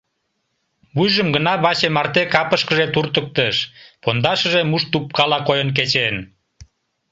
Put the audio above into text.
Вуйжым гына ваче марте капышкыже туртыктыш, пондашыже муш тупкала койын кечен.